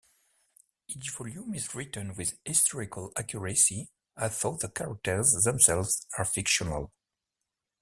Each volume is written with historical accuracy, although the characters themselves are fictional.